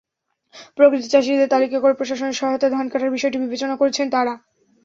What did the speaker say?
প্রকৃত চাষিদের তালিকা করে প্রশাসনের সহায়তায় ধান কাটার বিষয়টি বিবেচনা করছেন তাঁরা।